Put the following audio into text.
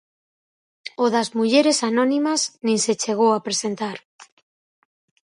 O das mulleres anónimas nin se chegou a presentar.